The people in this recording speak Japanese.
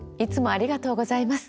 ありがとうございます。